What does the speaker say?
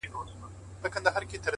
زه د ملي بیرغ په رپ ـ رپ کي اروا نڅوم؛